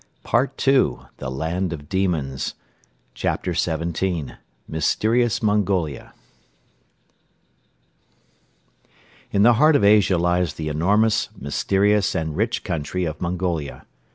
Part II THE LAND OF DEMONS CHAPTER XVII MYSTERIOUS MONGOLIA In the heart of Asia lies the enormous, mysterious and rich country of Mongolia.